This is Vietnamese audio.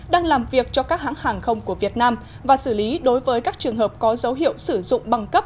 đang làm việc cho các hãng hàng không của việt nam và xử lý đối với các trường hợp có dấu hiệu sử dụng băng cấp